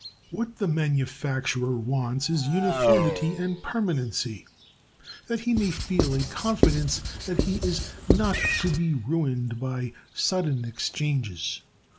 What the manufacturer wants is uniformity and permanency, that he may feel a confidence that he is not to be ruined by sudden exchanges.